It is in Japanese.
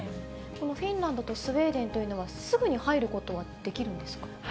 このフィンランドとスウェーデンというのはすぐに入ることはできるんですか？